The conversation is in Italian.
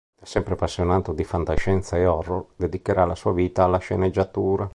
Da sempre appassionato di fantascienza e horror, dedicherà la sua vita alla sceneggiatura.